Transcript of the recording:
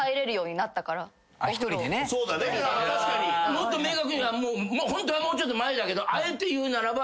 もっと明確にはホントはもうちょっと前だけどあえて言うならば。